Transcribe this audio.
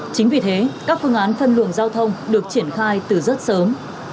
chính vì thế các phương án phân luồng giao thông được triển khai từ rất sớm